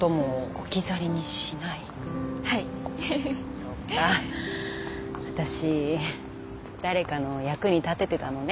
そっか私誰かの役に立ててたのね。